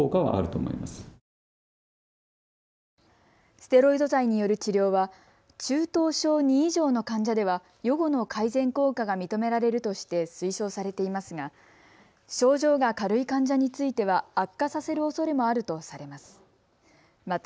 ステロイド剤による治療は中等症２以上の患者では予後の改善効果が認められるとして推奨されていますが症状が軽い患者については悪化させるおそれもあるとされます。